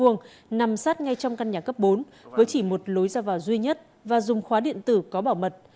nằm sát ngay trong căn nhà cấp bốn với chỉ một lối ra vào duy nhất và dùng khóa điện tử có bảo mật